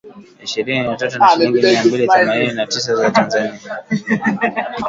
ishirini na tatu na shilingi mia mbili themianini na tisa za Tanzania